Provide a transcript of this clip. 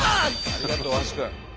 ありがとう大橋君。